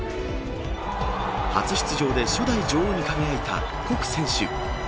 初出場で初代女王に輝いた谷選手。